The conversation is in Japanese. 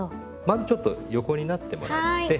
まずちょっと横になってもらって。